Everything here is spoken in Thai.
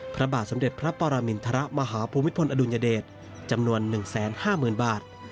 พระบาทสมเด็จพระปรมินทรมาฮภูมิพลอดุลยเดชจำนวน๑๕๐๐๐บาท